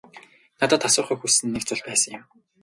Надад асуухыг хүссэн нэг зүйл байсан юм.